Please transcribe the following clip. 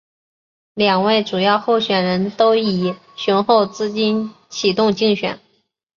两位主要候选人都以雄厚资金启动竞选。